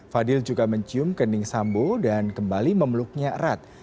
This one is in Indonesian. fadil juga mencium kening sambo dan kembali memeluknya erat